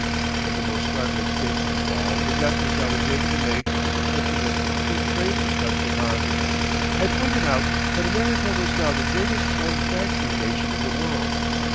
But the most startling statement of all was that which I was able to make when the question of Free Trade was touched upon. I pointed out that America was now the greatest manufacturing nation in the world.